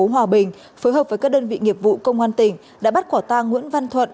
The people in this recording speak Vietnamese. hòa bình phối hợp với các đơn vị nghiệp vụ công an tp hcm đã bắt khỏa ta nguyễn văn thuận